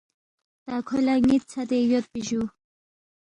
“ تا کھو لہ نِ٘ت ژھدے یودپی جُو